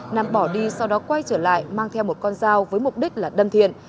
nam bỏ đi sau đó quay trở lại mang theo một con dao với mục đích là đâm thiện